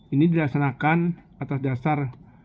ini dilaksanakan atas dasar